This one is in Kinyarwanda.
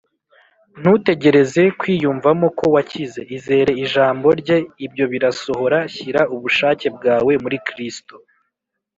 Ntutegereze kwiyumvamo ko wakize. Izere ijambo Rye, ibyo birasohora. Shyira ubushake bwawe muri Kristo